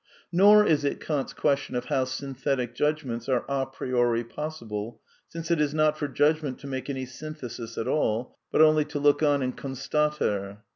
Nor is it Kant's question of how synthetic judgments are a priori possible, since it is not for judgment to make any synthesis at all, but only to look on and constater.